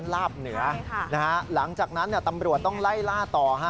ลาบเหนือหลังจากนั้นตำรวจต้องไล่ล่าต่อฮะ